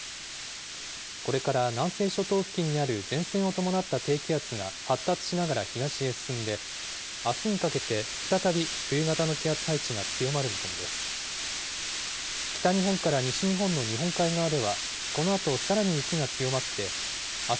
これから南西諸島付近にある前線を伴った低気圧が、発達しながら東へ進んで、あすにかけて再び冬型の気圧配置が強まる見込みです。